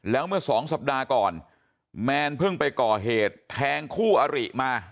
แล้วเมื่อสองสัปดาห์ก่อนแมนเพิ่งไปก่อเหตุแทงคู่อริมา